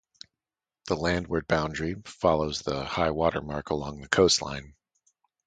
The landward boundary follows the high-water mark along the coastline.